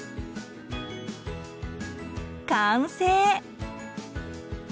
完成。